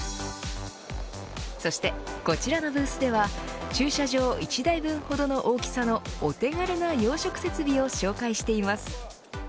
そして、こちらのブースでは駐車場１台分ほどの大きさのお手軽な養殖設備を紹介しています。